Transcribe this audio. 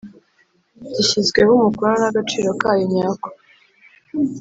gishyizweho umukono n agaciro kayo nyako